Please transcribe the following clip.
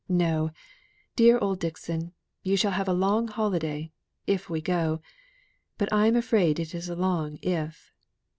No! dear old Dixon, you shall have a long holiday, if we go. But I'm afraid it is a long 'if.